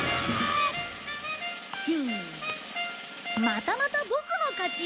またまたボクの勝ち！